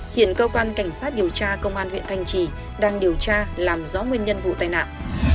hiện cơ quan cảnh sát điều tra công an huyện thanh trì đang điều tra làm rõ nguyên nhân vụ tai nạn